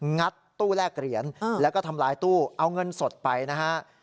งัดตู้แลกเหรียญแล้วก็ทำลายตู้เอาเงินสดไปนะฮะ